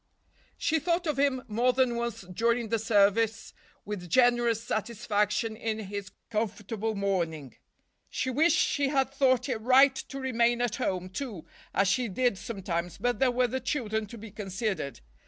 She thought of him more than once during the service with generous satisfaction in his comfortable morning. She wished she had thought it right to remain at home, too, as she did sometimes, but there were the children to be considered.